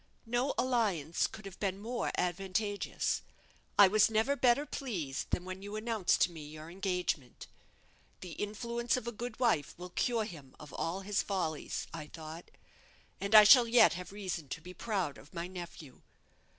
No alliance could have been more advantageous. I was never better pleased than when you announced to me your engagement. The influence of a good wife will cure him of all his follies, I thought, and I shall yet have reason to be proud of my nephew."